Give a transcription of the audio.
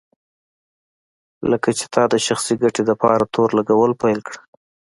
هه هه هه لکه چې تا د شخصي ګټې دپاره تور لګول پيل کړه.